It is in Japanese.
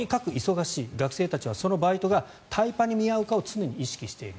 学生たちはそのバイトがタイパに見合うかを常に意識している。